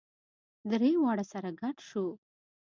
درې واړه سره ګډ شوو.